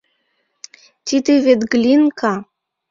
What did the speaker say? Тиде вет Глинка!